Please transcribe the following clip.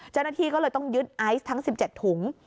เจ้าหน้าที่ก็เลยต้องยึดไอซ์ทั้ง๑๗ถุง